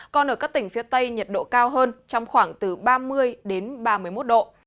còn ở các tỉnh phía tây nhiệt độ cao hơn trong khoảng từ ba mươi đến ba mươi một độ